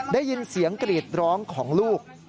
ได้ยินเสียงกรีดร้องของลูก